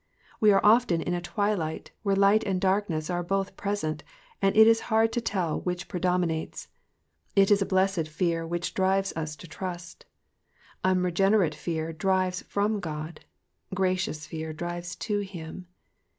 We are often in a twilight, where light and darkness are both present, and it is hard to tell which predominates. It is a blessed fear which drives us to trust. Un regenerate fear drives from God, gracious fear drives to him.